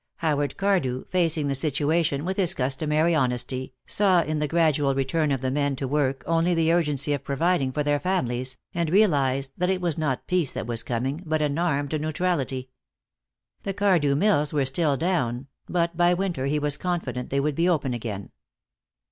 Howard Cardew, facing the situation with his customary honesty, saw in the gradual return of the men to work only the urgency of providing for their families, and realized that it was not peace that was coming, but an armed neutrality. The Cardew Mills were still down, but by winter he was confident they would be open again.